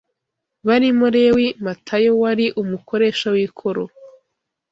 Barimo Lewi Matayo wari umukoresha w’ikoro